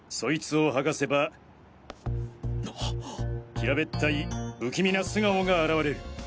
平べったい不気味な素顔が現れる！